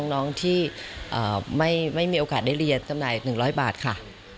น้องที่ไม่มีโอกาสได้เรียนจำหน่าย๑๐๐บาทค่ะ